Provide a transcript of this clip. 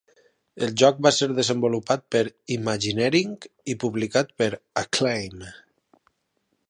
El joc va ser desenvolupat per Imagineering i publicat per Acclaim.